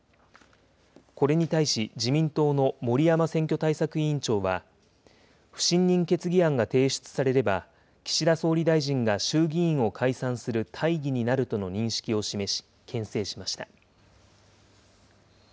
これに対し自民党の森山選挙対策委員長は、不信任決議案が提出されれば、岸田総理大臣が衆議院を解散する大義になるとの認識を示し、けん制しました。